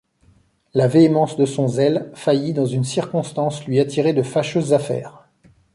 La véhémence de son zèle faillit dans une circonstance lui attirer de fâcheuses affaires.